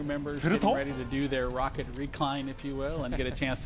すると。